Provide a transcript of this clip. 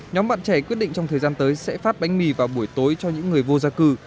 nhóm bạn trẻ quyết định trong thời gian tới sẽ phát bánh mì vào buổi tối cho những người vô gia cư